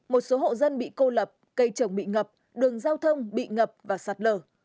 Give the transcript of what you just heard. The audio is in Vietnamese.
một số hộ dân bị cô lập cây trồng bị ngập đường giao thông bị ngập và sạt lở